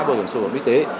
bảo hiểm xã hội y tế